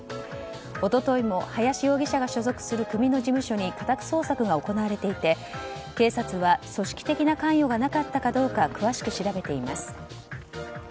一昨日も林容疑者が所属する組の事務所に家宅捜索が行われていて警察は組織的な関与がなかったかどうか詳しく調べています。